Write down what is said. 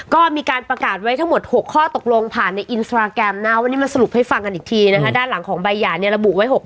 ก็มีการประกาศไว้ทั้งหมด๖ข้อตกลงผ่านในอินสตราแกรมนะวันนี้มาสรุปให้ฟังกันอีกทีนะคะด้านหลังของใบหย่าเนี่ยระบุไว้๖๐